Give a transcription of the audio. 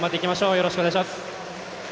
よろしくお願いします。